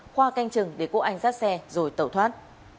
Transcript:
khoa canh chừng để quốc anh dắt xe rồi tẩu thoát